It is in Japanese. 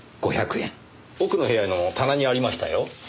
奥の部屋の棚にありましたよ。